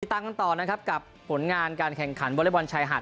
ตามกันต่อนะครับกับผลงานการแข่งขันวอเล็กบอลชายหาด